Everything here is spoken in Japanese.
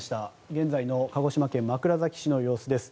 現在の鹿児島県枕崎市の様子です。